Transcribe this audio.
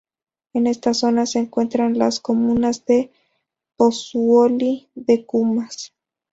En esta zona se encuentran las comunas de Pozzuoli y de Cumas.